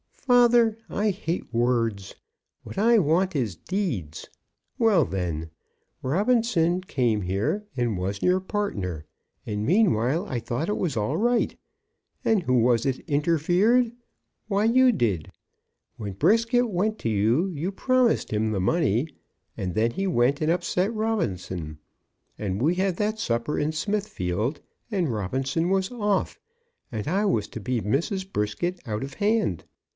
"Father, I hate words! What I want is deeds. Well, then; Robinson came here and was your partner, and meanwhile I thought it was all right. And who was it interfered? Why, you did. When Brisket went to you, you promised him the money: and then he went and upset Robinson. And we had that supper in Smithfield, and Robinson was off, and I was to be Mrs. Brisket out of hand.